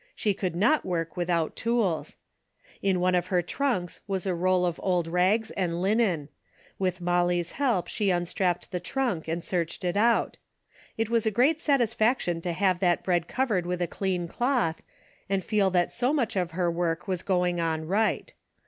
She could not work without tools. In one of her trunks was a roll of old rags and linen ; with Molly's help she unstrapped the trunk and searched it out. It was a great satisfaction to have that bread covered with a clean cloth and feel that so much of her work was going on right.